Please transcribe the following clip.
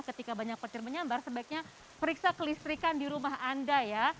ketika banyak petir menyambar sebaiknya periksa kelistrikan di rumah anda ya